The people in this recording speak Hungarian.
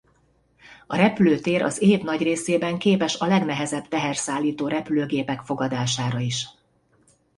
A repülőtér az év nagy részében képes a legnehezebb teherszállító repülőgépek fogadására is.